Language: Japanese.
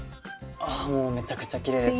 あもうめちゃくちゃきれいですね。